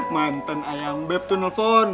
mantan ayang beb tuh nelfon